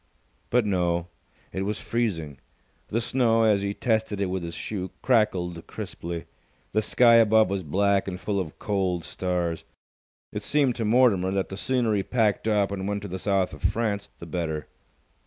But no. It was freezing. The snow, as he tested it with his shoe, crackled crisply. The sky above was black and full of cold stars. It seemed to Mortimer that the sooner he packed up and went to the South of France, the better.